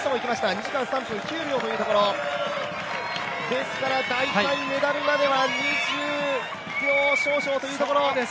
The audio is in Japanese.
２時間３分９秒というところですから大体メダルまでは、２０秒少々というところ。